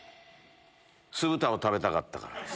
酢豚を食べたかったからです。